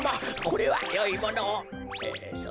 これはよいものを。